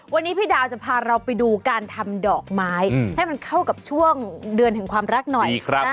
วันนี้พี่ดาวจะพาเราไปดูการทำดอกไม้ให้มันเข้ากับช่วงเดือนแห่งความรักหน่อย